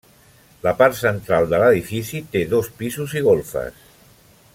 La part central de l'edifici té dos pisos i golfes.